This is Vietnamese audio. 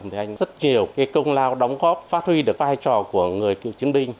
thì anh rất nhiều công lao đóng góp phát huy được vai trò của người cựu chiến binh